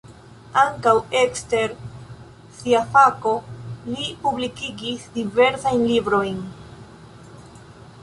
Ankaŭ ekster sia fako li publikigis diversajn librojn.